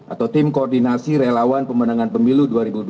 atau tim koordinasi relawan pemenangan pemilu dua ribu dua puluh